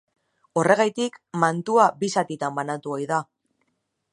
Horregatik, mantua bi zatitan banatu ohi da.